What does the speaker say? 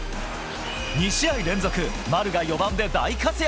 ２試合連続、丸が４番で大活躍！